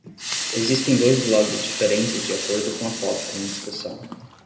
Existem dois blogs diferentes de acordo com o tópico em discussão.